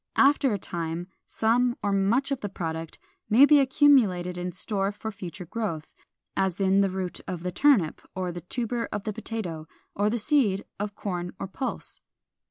After a time some or much of the product may be accumulated in store for future growth, as in the root of the turnip, or the tuber of the potato, or the seed of corn or pulse.